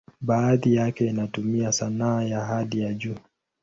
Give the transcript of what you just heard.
Baadhi yake inatumia sanaa ya hali ya juu.